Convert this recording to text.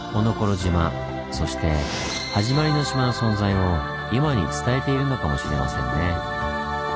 島そしてはじまりの島の存在を今に伝えているのかもしれませんね。